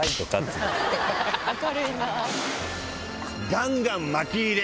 ガンガンまき入れ。